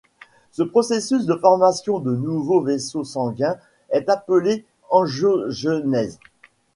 Ce processus de formation de nouveaux vaisseaux sanguins est appelé angiogenèse.